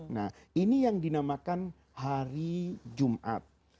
nah ini yang dinamakan hari jumat